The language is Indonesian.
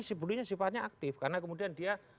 sebelumnya sifatnya aktif karena kemudian dia